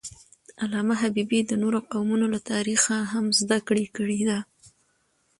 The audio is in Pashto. علامه حبیبي د نورو قومونو له تاریخه هم زدهکړه کړې ده.